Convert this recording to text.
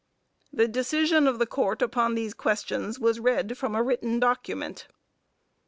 The decision of the Court upon these questions was read from a written document.